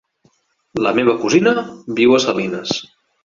La meva cosina viu a Salines.